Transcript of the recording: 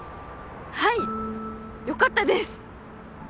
はいよかったです！